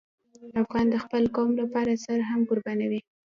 افغان د خپل قوم لپاره سر هم قربانوي.